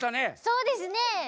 そうですね！